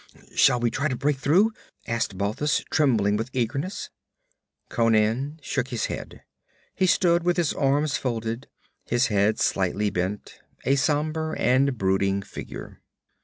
'Shall we try to break through?' asked Balthus, trembling with eagerness. Conan shook his head. He stood with his arms folded, his head slightly bent, a somber and brooding figure.